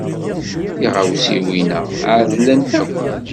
Tiɣawsiwin-a ɛedlen akk.